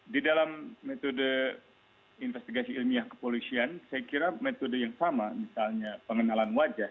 di dalam metode investigasi ilmiah kepolisian saya kira metode yang sama misalnya pengenalan wajah